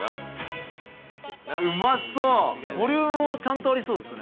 うまそう、ボリュームもちゃんとありそうですね。